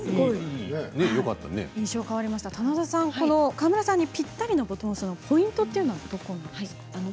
川村さんにぴったりのボトムスのポイントはどこにありますか？